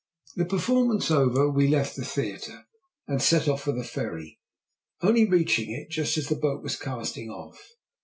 The performance over, we left the theatre, and set off for the ferry, only reaching it just as the boat was casting off.